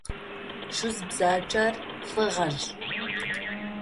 Шъуз бзаджэр лӏы гъэжъ.